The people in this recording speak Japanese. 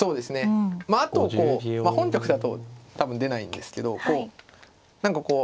まああとこう本局だと多分出ないんですけど何かこう